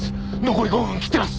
残り５分を切ってます！